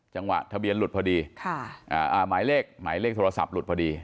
จังหวะทะเบียนหลุดพอดีหมายเลขหมายเลขโทรศัพท์หลุดพอดี